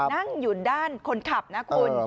นั่งอยู่ด้านคนขับนะคุณ